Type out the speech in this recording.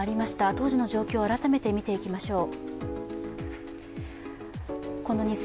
当時の状況を改めて見ていきましょう。